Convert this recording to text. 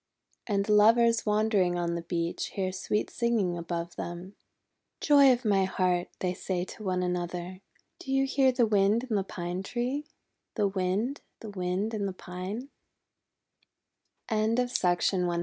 And Lovers wandering on the beach hear sweet singing above them. "Joy of my heart," they say one to another, "do you hear the Wind in the Pine Tree — the Wind, the Wind in the Pine?"